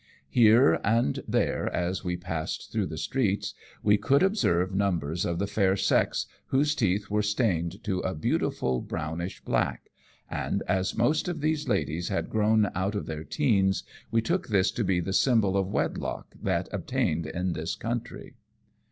Here and there as we passed through the streets we 192 AMONG TYPHOON'S AND PIRATE CRAFT. could observe numbers of the fair sex, whose teeth were stained to a beautiful brownish black, and as most of these ladies had grown out of their teens, we took this to be the symbol of wedlock that obtained in this country.